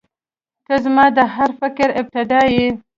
• ته زما د هر فکر ابتدا یې.